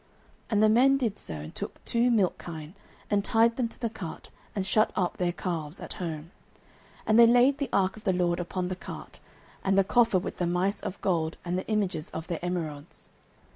09:006:010 And the men did so; and took two milch kine, and tied them to the cart, and shut up their calves at home: 09:006:011 And they laid the ark of the LORD upon the cart, and the coffer with the mice of gold and the images of their emerods.